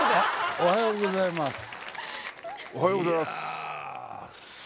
おはようございます。